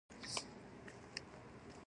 نرسې وویل: خبرې مه کوه، غلی کښېنه.